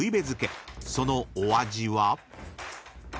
［そのお味は？］